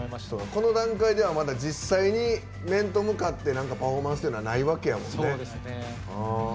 この段階では実際に面と向かってなんかパフォーマンスっていうのはないわけやもんね。